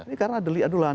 ini karena delik aduan